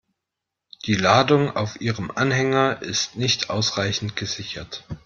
Die Ladung auf Ihrem Anhänger ist nicht ausreichend gesichert.